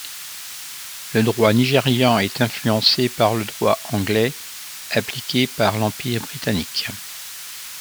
Le droit nigérian est influencé par le droit anglais, appliqué par l'Empire britannique.